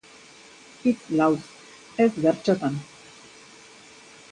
Hitz lauz, ez bertsotan.